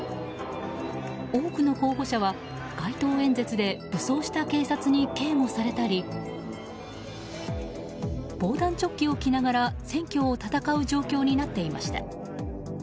多くの候補者は街頭演説で武装した警察に警護されたり防弾チョッキを着ながら選挙を戦う状況になっていました。